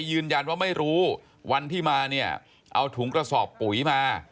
ยืนยันว่าไม่รู้วันที่มาเนี่ยเอาถุงกระสอบปุ๋ยมา